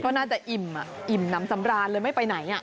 เพราะน่าจะอิ่มน้ำสำราญเลยไม่ไปไหน